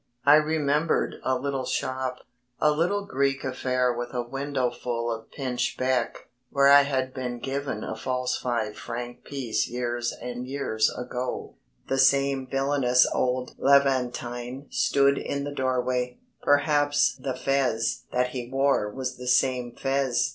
I remembered a little shop a little Greek affair with a windowful of pinch beck where I had been given a false five franc piece years and years ago. The same villainous old Levantine stood in the doorway, perhaps the fez that he wore was the same fez.